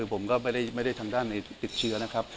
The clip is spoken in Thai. ผมก็ไม่ได้ทางด้านในติดเชื้อนะครับ